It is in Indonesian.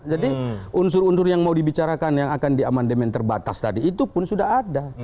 jadi unsur unsur yang mau dibicarakan yang akan diamandemen terbatas tadi itu pun sudah ada